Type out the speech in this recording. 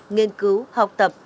nghiên cứu học tập